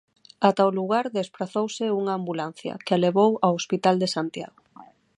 Ata o lugar desprazouse unha ambulancia, que a levou ao hospital de Santiago.